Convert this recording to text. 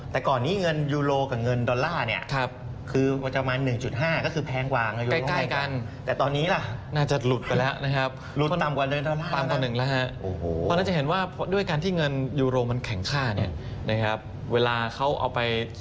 แต่ก่อนนี้เงินยูโรกับร์ล่าคือประจำกว่างหนึ่งจุดห้า